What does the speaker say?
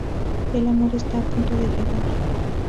El amor está a punto de llegar.